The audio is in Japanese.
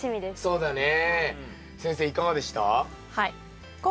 そうだね